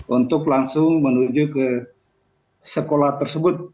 untuk langsung menuju ke sekolah tersebut